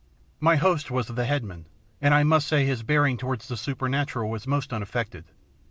My host was the headman, and I must say his bearing towards the supernatural was most unaffected.